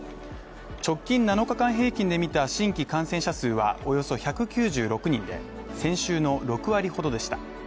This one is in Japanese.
直近７日間平均で見た新規感染者数はおよそ１９６人で、先週の６割ほどでした。